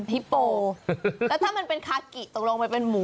หรือมันเป็นฮิปโป